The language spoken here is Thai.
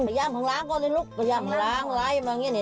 ขยับข้างล่างก็ได้ลูกขยับข้างล่างไล่มาอย่างนี้